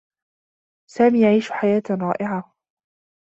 سامي يعيش حياة رائعة.